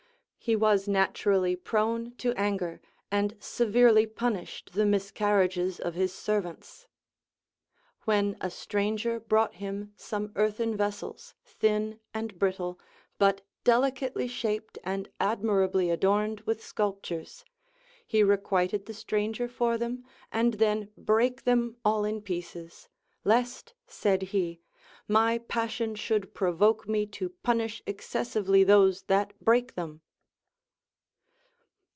He was naturally prone to anger, and severe ly punished the miscarriages of his servants. AVhen a stranger brought him some earthen vessels, thin and brittle, but delicately shaped and admirably adorned Avith sculp tures, he requited the stranger for them, and then brake them all in pieces. Lest (said he) my passion should pro voke me to punish excessively those that brake them.